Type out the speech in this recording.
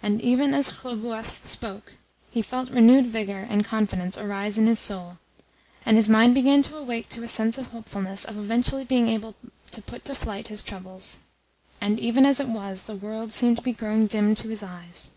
And even as Khlobuev spoke he felt renewed vigour and confidence arise in his soul, and his mind begin to awake to a sense of hopefulness of eventually being able to put to flight his troubles. And even as it was, the world seemed to be growing dim to his eyes....